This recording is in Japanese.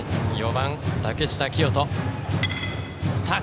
４番、竹下聖人。